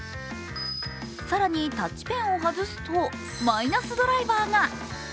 更に、タッチペンを外すとマイナスドライバーが。